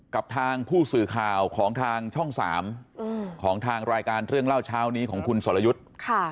กับทางผู้สื่อข่าวของทางช่อง๓ของทางรายการเรื่องเล่าเช้านี้ของคุณสรยุทธ์